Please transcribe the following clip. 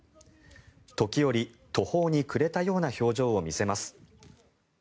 時折、途方に暮れたような表情を見せます。